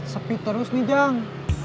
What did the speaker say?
sepi terus nih jang